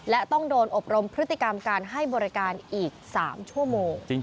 และต้องโดนอบรมพฤติกรรมการให้บริการอีก๓ชั่วโมง